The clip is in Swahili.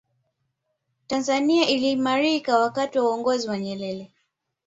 tanzania iliimarika wakati wa uongozi wa nyerere